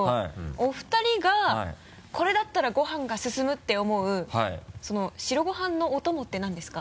お二人がこれだったらご飯が進むって思う白ご飯のおともって何ですか？